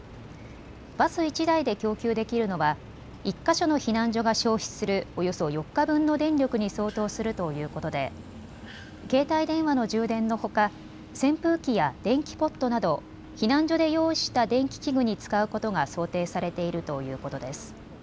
バス１台で供給できるのは１か所の避難所が消費するおよそ４日分の電力に相当するということで携帯電話の充電のほか扇風機や電気ポットなど避難所で用意した電気器具に使うことが想定されているということです。